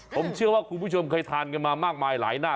ผมเชื่อว่าคุณผู้ชมเคยทานกันมามากมายหลายหน้า